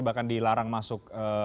bahkan dilarang masuk